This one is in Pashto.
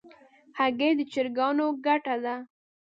هګۍ د چرګانو ګټه ده.